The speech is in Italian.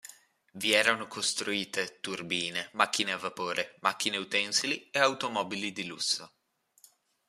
Vi erano costruite turbine, macchine a vapore, macchine utensili, e automobili di lusso.